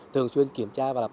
thường xuyên kiểm tra và bảo vệ